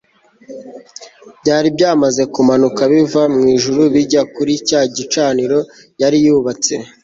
byari byamaze kumanuka biva mu ijuru bijya kuri cya gicaniro yari yubatse